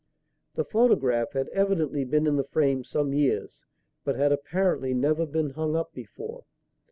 The photograph had evidently been in the frame some years but had apparently never been hung up before."